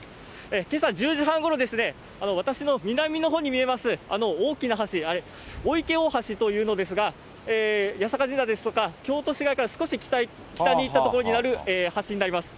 けさ１０時半ごろ、私の南の方に見えます、あの大きな橋、あれ、おいけ大橋というんですが、八坂神社ですとか、京都市街から少し北に行った所の橋になります。